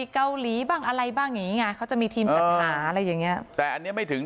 เกาหลีบ้างอะไรบ้างไงจะมีทีมจัดหาอะไรยังนี้แต่ไม่ถึง